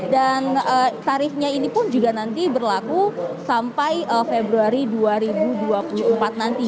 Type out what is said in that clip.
dan tarifnya ini pun juga nanti berlaku sampai februari dua ribu dua puluh empat nanti